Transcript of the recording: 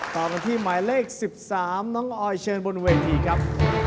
ต่อกันที่หมายเลข๑๓น้องออยเชิญบนเวทีครับ